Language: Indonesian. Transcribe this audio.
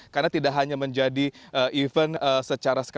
karena tidak hanya menjadi event secara sekali